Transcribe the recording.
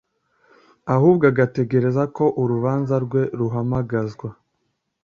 ahubwo agategereza ko urubanza rwe ruhamagazwa